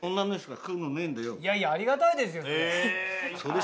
いやいやありがたいですよそれ。